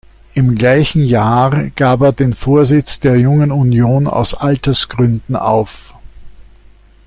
Im gleichen Jahr gab er den Vorsitz der Jungen Union aus Altersgründen auf.